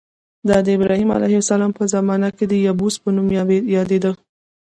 دا د ابراهیم علیه السلام په زمانه کې د یبوس په نوم یادېده.